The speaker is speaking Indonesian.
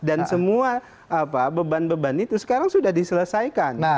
dan semua beban beban itu sekarang sudah diselesaikan